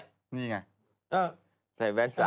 แล้วมีลูกสาวเลยเป็นตุ๊ดขึ้นทุกวัน